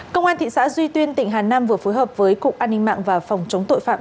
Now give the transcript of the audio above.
công an thị xã duy tiên tỉnh hà nam vừa phối hợp với cục an ninh mạng và phòng chống tội phạm